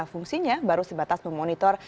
fungsinya baru sebatas memonitor